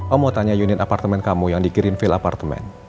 om mau tanya unit apartemen kamu yang dikirin fail apartemen